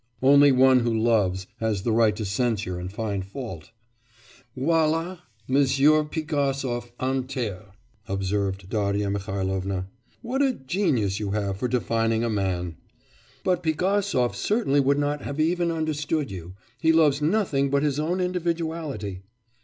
Only one who loves has the right to censure and find fault.' 'Voilà, Monsieur Pigasov enterré,' observed Darya Mihailovna. 'What a genius you have for defining a man! But Pigasov certainly would not have even understood you. He loves nothing but his own individuality.